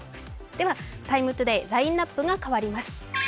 では「ＴＩＭＥ，ＴＯＤＡＹ」ラインナップが変わります。